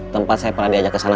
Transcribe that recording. tempat saya pernah diajak ke sana